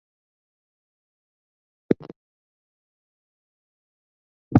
El dique corta en diagonal la parte sur del lago.